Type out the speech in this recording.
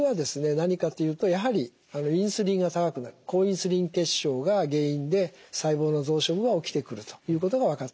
何かって言うとやはりインスリンが高くなる高インスリン血症が原因で細胞の増殖が起きてくるということが分かっていますね。